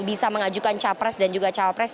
bisa mengajukan capres dan juga cawapres